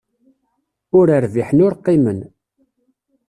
Ur rbiḥen ur qqimen.